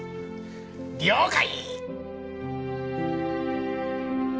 了解！